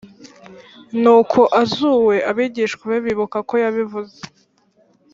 nuko azuwe abigishwa be bibuka ko yabivuze